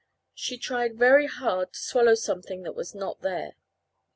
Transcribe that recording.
She tried very hard to swallow something that was not there.